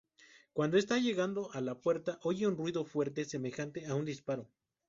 Cuando está llegando a la puerta, oye un ruido fuerte, semejante a un disparo.